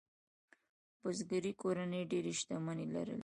بزګري کورنۍ ډېرې شتمنۍ لرلې.